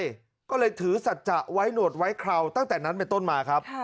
ก็เลยถือสัจจะไว้หนวดไว้คราวตั้งแต่นั้นเป็นต้นมาครับ